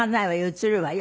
映るわよ。